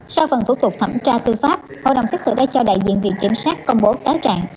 sau phần thủ tục thẩm tra tư pháp hội đồng xét xử đã cho đại diện viện kiểm sát công bố cáo trạng